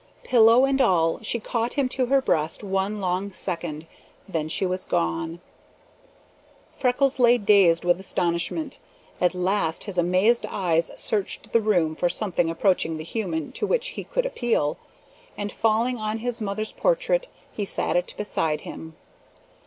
Pillow and all, she caught him to her breast one long second; then she was gone. Freckles lay dazed with astonishment. At last his amazed eyes searched the room for something approaching the human to which he could appeal, and falling on his mother's portrait, he set it before him.